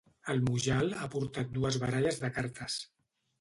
El Mujal ha portat dues baralles de cartes.